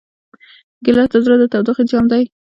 ګیلاس د زړه د تودوخې جام دی.